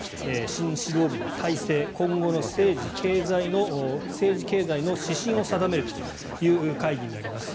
新指導部の体制今後の政治・経済の指針を定めるという会議になります。